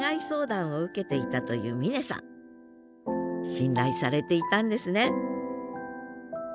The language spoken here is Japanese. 信頼されていたんですね